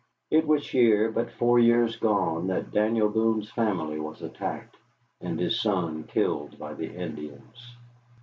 It was here, but four years gone, that Daniel Boone's family was attacked, and his son killed by the Indians.